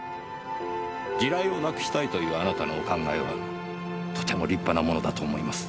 地雷をなくしたいというあなたのお考えはとても立派なものだと思います。